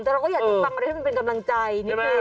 แต่เราก็อยากมามีอะไรเป็นกำลังใจ